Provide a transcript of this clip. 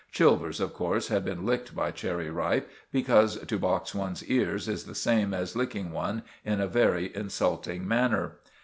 Chilvers of course had been licked by Cherry Ripe, because to box one's ears is the same as licking one in a very insulting manner.